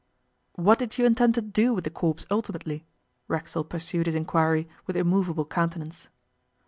'What did you intend to do with the corpse ultimately?' Racksole pursued his inquiry with immovable countenance.